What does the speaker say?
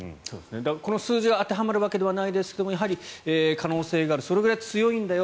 この数字が当てはまるわけじゃないですけど可能性があるそれぐらい強いんだよ。